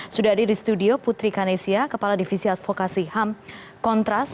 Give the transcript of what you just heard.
sudah ada di studio putri kanesia kepala divisi advokasi ham kontras